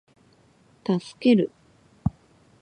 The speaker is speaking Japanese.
助ける